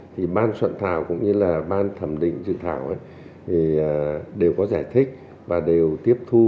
thì ban soạn thảo cũng như là ban thẩm định dự thảo thì đều có giải thích và đều tiếp thu